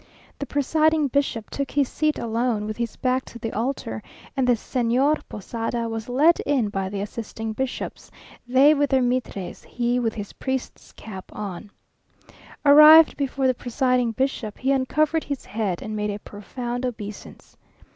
The presiding bishop took his seat alone, with his back to the altar, and the Señor Posada was led in by the assisting bishops, they with their mitres, he with his priest's cap on. Arrived before the presiding bishop, he uncovered his head, and made a profound obeisance.